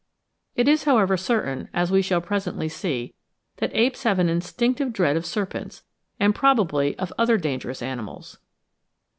It is, however, certain, as we shall presently see, that apes have an instinctive dread of serpents, and probably of other dangerous animals.